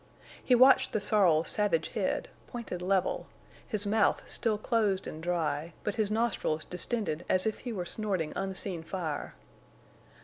He watched the sorrel's savage head, pointed level, his mouth still closed and dry, but his nostrils distended as if he were snorting unseen fire.